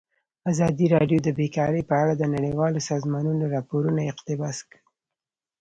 ازادي راډیو د بیکاري په اړه د نړیوالو سازمانونو راپورونه اقتباس کړي.